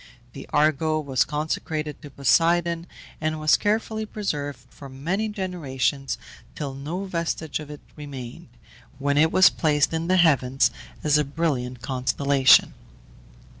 The Argo was consecrated to Poseidon, and was carefully preserved for many generations till no vestige of it remained, when it was placed in the heavens as a brilliant constellation.